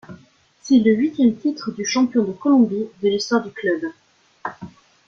C'est le huitième titre de champion de Colombie de l'histoire du club.